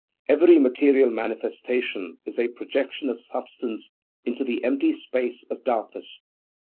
Every material manifestation is a projection of substance into the empty space of darkness.